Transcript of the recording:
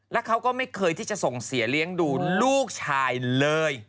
แล้วเขาก็ไม่เคยที่จะส่งเสียเลี้ยงดูลูกชายเลย